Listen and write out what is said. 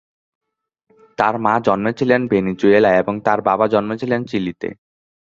তার মা জন্মেছিলেন ভেনিজুয়েলায় এবং তার বাবা জন্মেছিলেন চিলিতে।